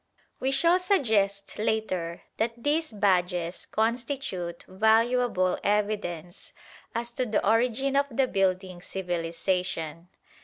We shall suggest later that these badges constitute valuable evidence as to the origin of the building civilisation.